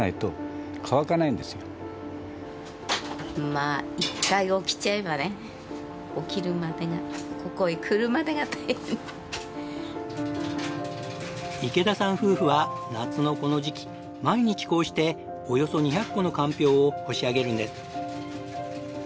まあ池田さん夫婦は夏のこの時期毎日こうしておよそ２００個のかんぴょうを干し上げるんです。